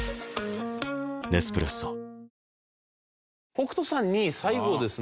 北斗さんに最後ですね